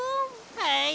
はい。